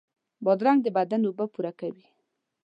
بادرنګ د بدن اوبه پوره کوي.